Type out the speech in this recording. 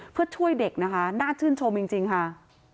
เพื่อช่วยเด็กนะคะน่าชื่นชมจริงค่ะ